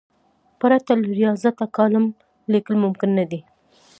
پرته له ریاضته کالم لیکل ممکن نه دي.